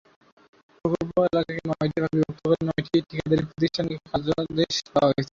প্রকল্প এলাকাকে নয়টি ভাগে বিভক্ত করে নয়টি ঠিকাদারি প্রতিষ্ঠানকে কার্যাদেশ দেওয়া হয়েছে।